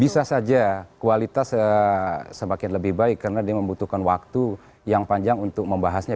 bisa saja kualitas semakin lebih baik karena dia membutuhkan waktu yang panjang untuk membahasnya